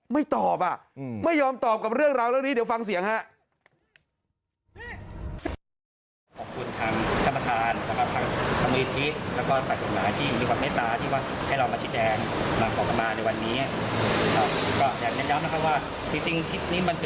ไม่ตอบไม่ยอมตอบกับเรื่องราวเรื่องนี้เดี๋ยวฟังเสียงฮะ